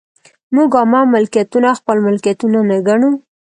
موږ عامه ملکیتونه خپل ملکیتونه نه ګڼو.